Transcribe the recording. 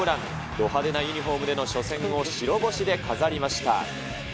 ど派手なユニホームでの初戦を白星で飾りました。